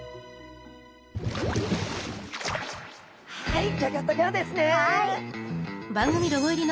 はい！